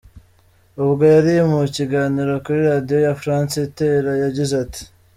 Ubwo yari mu kiganiro kuri radiyo ya France Inter yagize ati: .